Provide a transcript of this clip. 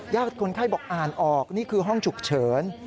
คนไข้บอกอ่านออกนี่คือห้องฉุกเฉิน